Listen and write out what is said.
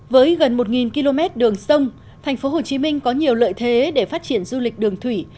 với gần một km đường sông tp hcm có nhiều lợi thế để phát triển du lịch đường thủy